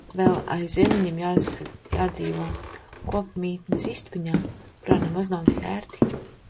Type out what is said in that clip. Vēl aizvien viņiem jādzīvo kopmītnes istabiņā, kur nemaz nav ērti.